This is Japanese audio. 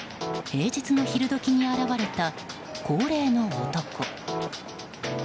平日の昼時に現れた高齢の男。